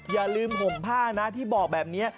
อย่าลืมห่มผ้านะที่บอกแบบนี้